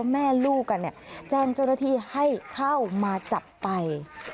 แม่ลูกกันแจ้งเจ้าหน้าที่ให้เข้ามาจับไป